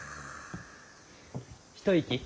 一息？